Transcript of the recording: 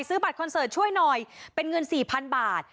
ซื้อบัตรคอนเซิร์ตช่วยหน่อยเป็นเงินสี่พันบาท